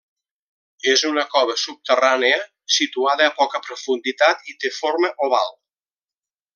És una cova subterrània situada a poca profunditat i té forma oval.